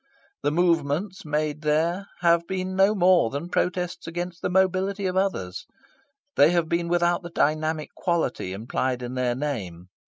The "movements" made there have been no more than protests against the mobility of others. They have been without the dynamic quality implied in their name.